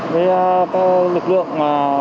với các lực lượng